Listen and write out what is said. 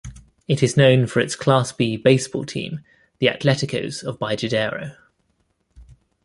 It is known for its class B baseball team, the Atleticos of Bajadero.